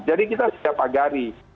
jadi kita tidak pagari